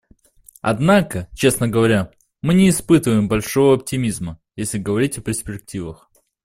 Однако, честно говоря, мы не испытываем большого оптимизма, если говорить о перспективах.